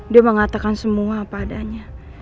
dia mengatakan semua apa adanya